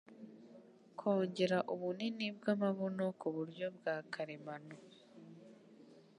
kongera ubunini bw'amabuno ku buryo bwa karemano